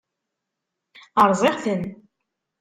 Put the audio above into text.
Rẓiɣ-ten.